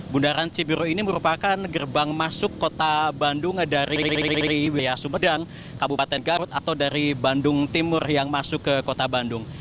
bundaran cibiru ini merupakan gerbang masuk kota bandung dari wa sumedang kabupaten garut atau dari bandung timur yang masuk ke kota bandung